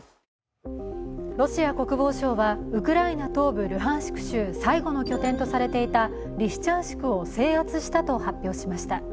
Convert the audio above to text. ロシア国防省はウクライナ東部ルハンシク州最後の拠点とされていたリシチャンシクを制圧したと発表しました。